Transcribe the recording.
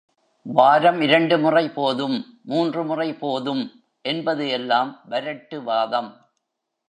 வாரம் இரண்டு முறை போதும், மூன்று முறை போதும் என்பது எல்லாம் வரட்டுவாதம்.